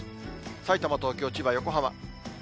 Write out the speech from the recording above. さいたま、東京、千葉、横浜。